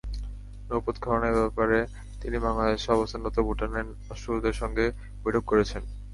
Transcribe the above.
নৌপথ খননের ব্যাপারে তিনি বাংলাদেশে অবস্থানরত ভুটানের রাষ্ট্রদূতের সঙ্গে বৈঠক করেছেন।